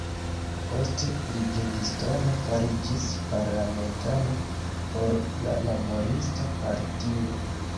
Poste Livingstone fariĝis parlamentano por la Laborista Partio.